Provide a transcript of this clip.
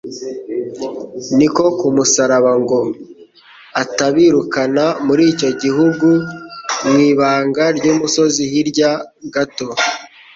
niko kumusaba ngo atabirukana muri icyo gihugu. Mu ibanga ry'umusozi hirya gato,